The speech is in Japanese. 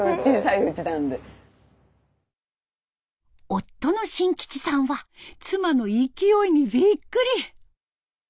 夫の新吉さんは妻の勢いにびっくり。